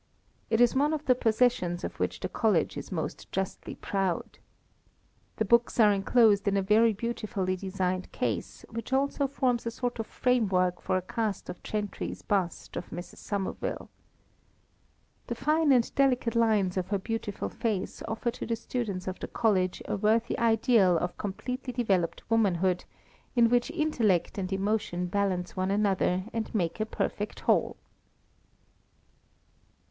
It is one of the possessions of which the College is most justly proud. The books are enclosed in a very beautifully designed case, which also forms a sort of framework for a cast of Chantrey's bust of Mrs. Somerville. The fine and delicate lines of her beautiful face offer to the students of the College a worthy ideal of completely developed womanhood, in which intellect and emotion balance one another and make a perfect whole.